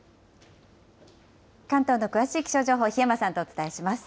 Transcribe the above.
関東の詳しい気象情報、檜山さんとお伝えします。